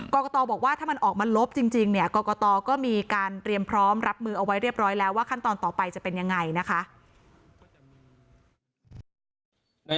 กรกตบอกว่าถ้ามันออกมาลบจริงเนี่ยกรกตก็มีการเตรียมพร้อมรับมือเอาไว้เรียบร้อยแล้วว่าขั้นตอนต่อไปจะเป็นยังไงนะคะ